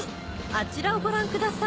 あちらをご覧ください。